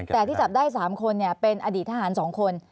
แต่ที่จับได้๓คนเป็นอดีตทหาร๒คน